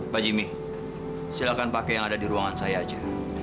pak jimmy silahkan pakai yang ada di ruangan saya aja